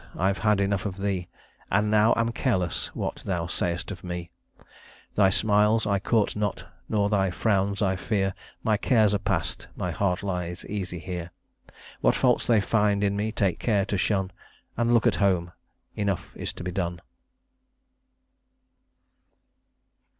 I've had enough of thee, And now am careless what thou say'st of me: Thy smiles I court not, nor thy frowns I fear: My cares are past; my heart lies easy here. What faults they find in me take care, to shun; And look at home enough is to be done."